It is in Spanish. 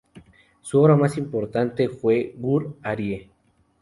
Su obra más importante fue "Gur Arie".